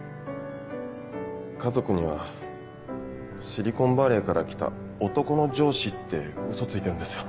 家族にはシリコンバレーから来た男の上司ってウソついてるんですよ